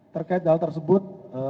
terkait hal tersebut